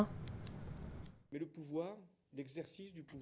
trong bài hỏi